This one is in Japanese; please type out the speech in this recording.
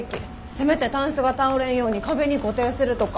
せめてタンスが倒れんように壁に固定するとか。